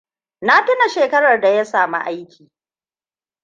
Na tuna shekarar da ya sami aiki.